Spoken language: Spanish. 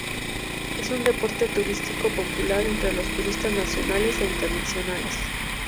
Es un deporte turístico popular entre los turistas nacionales e internacionales.